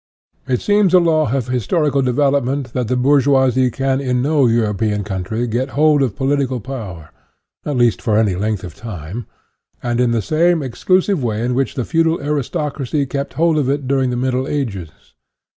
It seems a law of historical development that the bourgeoisie can in no European country get hold of political power at least for any length of time in the same exclusive way in which the feudal aristocracy kept hold of it during the Middle Ages.